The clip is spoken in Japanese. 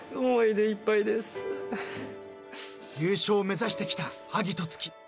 ［優勝を目指してきたはぎとつき］